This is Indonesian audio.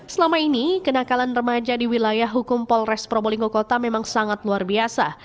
selama ini kenakalan remaja di wilayah hukum polres probolinggo kota memang sangat luar biasa